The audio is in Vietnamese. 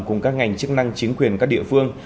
cùng các ngành chức năng chính quyền các địa phương